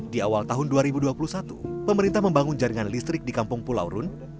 di awal tahun dua ribu dua puluh satu pemerintah membangun jaringan listrik di kampung pulau rune